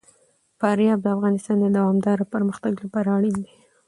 فاریاب د افغانستان د دوامداره پرمختګ لپاره اړین دي.